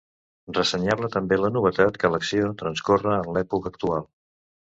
Ressenyable també la novetat que l'acció transcorre en l'època actual.